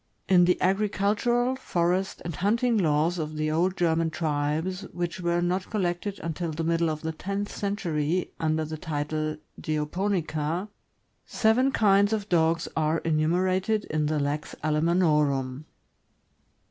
In the agricultural, forest, and hunting laws of the old Gferman tribes, which were not collected until the middle of the tenth century, under the title 4 4 Geopo nica," seven kinds of dogs are enumerated in the " Lex Ale manorum."